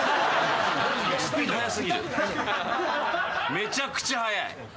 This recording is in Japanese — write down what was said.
めちゃくちゃ速い。